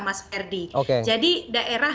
mas ferdi jadi daerah